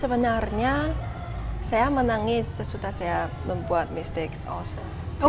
sebenarnya saya menangis sesudah saya membuat kesalahan